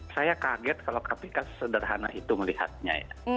saya kaget kalau kpk sederhana itu melihatnya